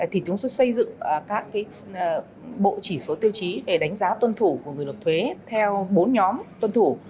thì chúng tôi xây dựng các bộ chỉ số tiêu chí để đánh giá tuân thủ của người nộp thuế theo bốn nhóm tuân thủ